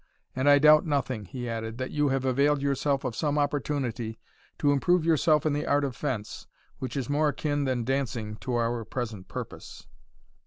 And I doubt nothing," he added, "that you have availed yourself of some opportunity to improve yourself in the art of fence, which is more akin than dancing to our present purpose?"